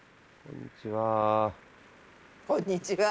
こんにちは。